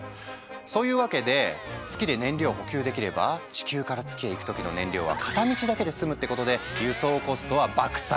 そういうわけで月で燃料を補給できれば地球から月へ行く時の燃料は片道だけで済むってことで輸送コストは爆下げ！